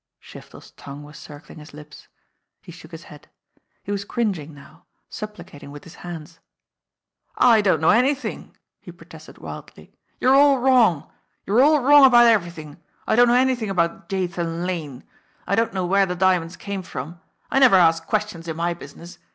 Shiftel's tongue was circling his lips. He shook his head. He was cringing now, supplicating with his hands. "I don't know anything," he protested wildly. "You're all wrong. You're all wrong about everything. I don't know anything about Jathan Lane. I don't know where the diamonds came from. I never ask questions in my business.